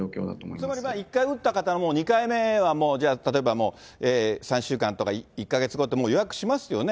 つまり、１回打った方は２回目、じゃあ例えば３週間とか１か月後ってもう予約しますよね。